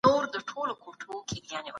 ملنډي د انسان شخصیت زیانمنوي.